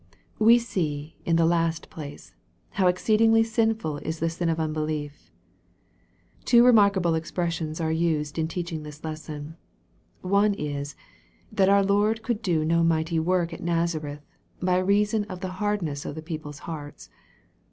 We see, in the last place, how exceedingly sinful is the sin of unbelief. Two remarkable expressions are used in teaching this lesson. One is, that our Lord " could do iiO mighty work" at Nazareth, by reason of the hardness of the people's hearts.